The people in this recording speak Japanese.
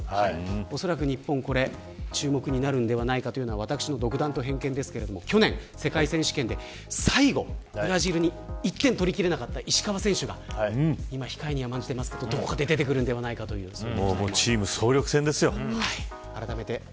おそらく日本注目になるのではないかと私の独断と偏見ですけど去年、世界選手権で最後ブラジルに１点取り切れなかった石川選手が、今控えに甘んじていますがどこか出てくるのではないかと思います。